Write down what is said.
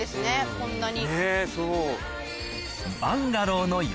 こんなに。